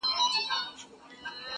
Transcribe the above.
یوه قلا ده ورته یادي افسانې دي ډیري-